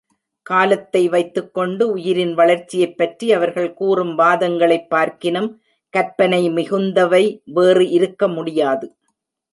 காலத்தை வைத்துக்கொண்டு உயிரின் வளர்ச்சியைப் பற்றி அவர்கள் கூறும் வாதங்களைப் பார்க்கினும் கற்பனை மிகுந்தவை வேறு இருக்க முடியாது.